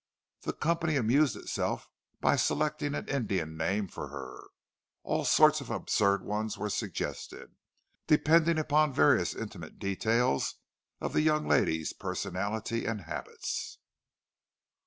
The company amused itself by selecting an Indian name for her; all sorts of absurd ones were suggested, depending upon various intimate details of the young lady's personality and habits.